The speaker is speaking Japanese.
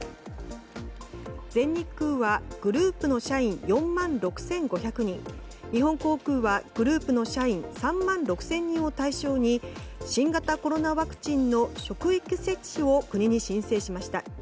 全日空はグループの社員４万６５００人日本航空はグループの社員３万６０００人を対象に新型コロナワクチンの職域接種を国に申請しました。